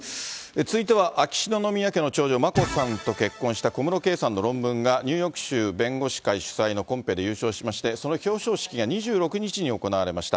続いては、秋篠宮家の長女、眞子さんと結婚した小室圭さんの論文が、ニューヨーク州弁護士会主催のコンペで優勝しまして、その表彰式が２６日に行われました。